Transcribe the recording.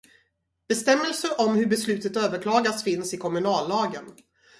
Bestämmelser om hur beslutet överklagas finns i kommunallagen.